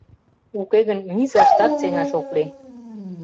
Уке гын низаштат сеҥаш ок лий.